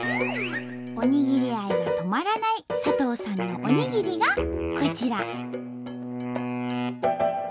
おにぎり愛が止まらない佐藤さんのおにぎりがこちら。